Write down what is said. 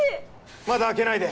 まだ開けないで！